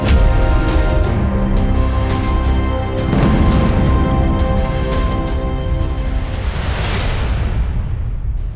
aku mau pergi